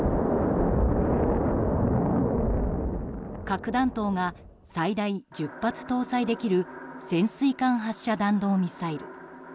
核弾頭が最大１０発搭載できる潜水艦発射弾道ミサイル。